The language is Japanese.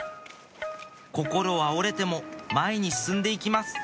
心は折れても前に進んで行きます